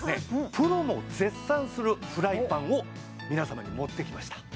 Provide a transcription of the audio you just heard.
プロも絶賛するフライパンを皆様に持ってきました